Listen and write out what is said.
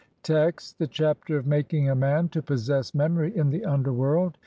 Text : (i) The Chapter of making a man to possess MEMORY IN THE UNDERWORLD.